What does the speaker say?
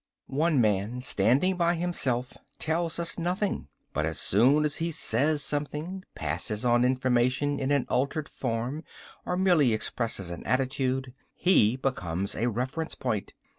One man standing by himself tells us nothing. But as soon as he says something, passes on information in an altered form, or merely expresses an attitude he becomes a reference point.